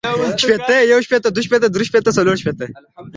شپیته، یو شپیته، دوه شپیته، درې شپیته، څلور شپیته